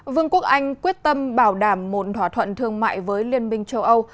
vương quốc anh quyết tâm bảo đảm một thỏa thuận thương mại với liên minh châu âu